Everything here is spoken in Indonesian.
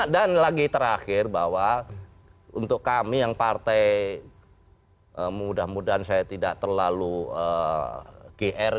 dan lagi terakhir bahwa untuk kami yang partai mudah mudahan saya tidak terlalu gr gitu